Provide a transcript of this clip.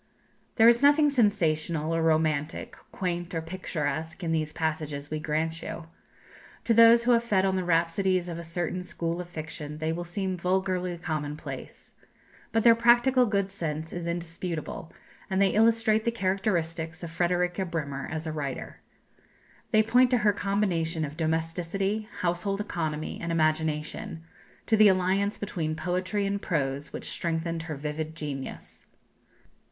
There is nothing sensational or romantic, quaint or picturesque, in these passages, we grant you. To those who have fed on the rhapsodies of a certain school of fiction they will seem vulgarly commonplace. But their practical good sense is indisputable, and they illustrate the characteristics of Frederika Bremer as a writer. They point to her combination of domesticity, household economy, and imagination; to the alliance between poetry and prose which strengthened her vivid genius.